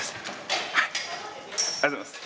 ありがとうございます。